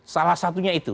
salah satunya itu